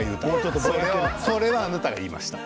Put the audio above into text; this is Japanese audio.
それはあなたが言いました。